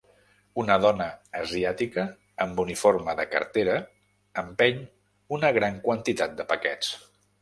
Una dona asiàtica amb uniforme de cartera empeny una gran quantitat de paquets.